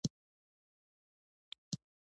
پابندي غرونه د افغانستان د فرهنګي فستیوالونو برخه ده.